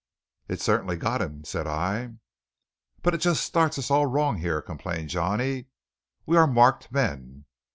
"It certainly got him," said I. "But it just starts us all wrong here," complained Johnny. "We are marked men."